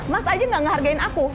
mas aja gak ngehargain aku